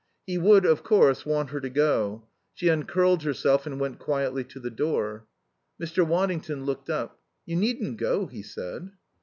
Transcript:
He would, of course, want her to go. She uncurled herself and went quietly to the door. Mr. Waddington looked up. "You needn't go," he said.